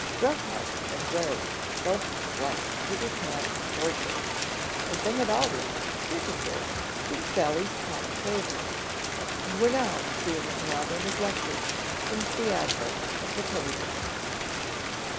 Rough House and Rags both disliked Peter Pan cordially, as they had always, heretofore, been Sally's prime favorites, and were now feeling rather neglected since the advent of the Teddy bears.